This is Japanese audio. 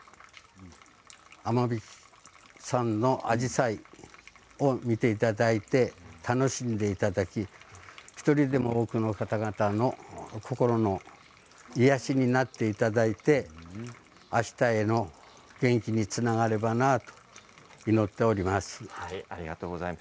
雨引山のアジサイを見ていただいて楽しんでいただき１人でも多くの方々の心の癒やしになっていただいてあしたへの元気につながればなと祈っております。